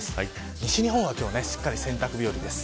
西日本は今日はしっかり洗濯日和です。